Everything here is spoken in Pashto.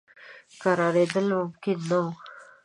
کرارېدل ممکن نه وه.